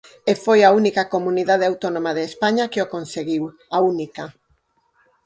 E foi a única comunidade autónoma de España que o conseguiu, a única.